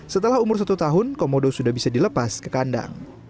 setelah umur satu tahun komodo sudah bisa dilepas ke kandang